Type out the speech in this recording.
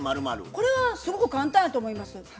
これはすごく簡単やと思います。